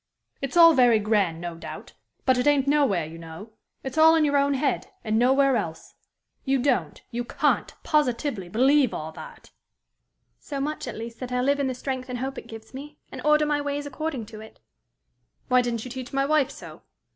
"It's all very grand, no doubt; but it ain't nowhere, you know. It's all in your own head, and nowhere else. You don't, you can't positively believe all that!" "So much, at least, that I live in the strength and hope it gives me, and order my ways according to it." "Why didn't you teach my wife so?"